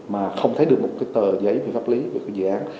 mà không thấy được một cái tờ giấy về pháp lý về cái dự án